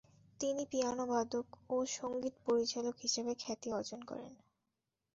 তিনি পিয়ানোবাদক ও সঙ্গীত পরিচালক হিসাবে খ্যাতি অর্জন করেন।